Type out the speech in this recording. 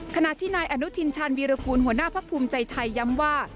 ขณะที่นายอนุทินชาญวีรกูลหัวหน้าพักภูมิใจไทยย้ำว่า